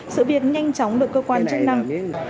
sự biệt nhanh chóng được cơ quan chức năng